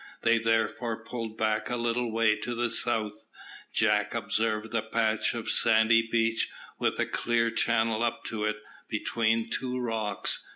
They therefore pulled back a little way to the south. Jack observed a patch of sandy beach, with a clear channel up to it, between two rocks.